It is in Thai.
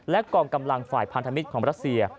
และกองกำลังฝ่ายพันธมิตรของรัสเซีย